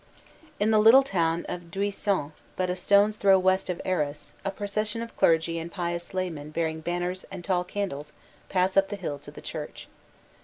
a In the little town of Duisans but a stone s throw west of Arras a procession of clergy and pious laymen bearing banners and tall candles pass up the hill to the church.